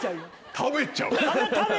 食べちゃう！